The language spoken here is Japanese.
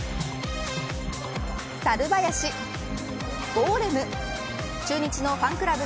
サルバヤシゴーレム中日のファンクラブ